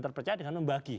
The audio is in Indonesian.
terpercaya dengan membagi